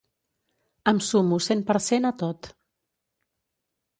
Em sumo cent per cent a tot.